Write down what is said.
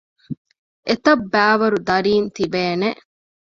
އެތައްބައިވަރު ދަރީން ތިބޭނެ